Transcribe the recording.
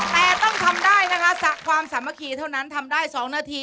แต่ต้องทำได้นะคะจากความสามัคคีเท่านั้นทำได้๒นาที